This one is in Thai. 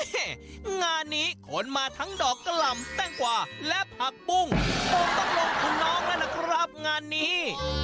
งานนี้ขนมาทั้งดอกกะหล่ำแต้งกว่าและผักปุ้งคงต้องลงคุณน้องแล้วล่ะครับงานนี้